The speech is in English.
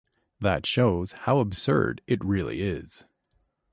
That shows how absurd it really is.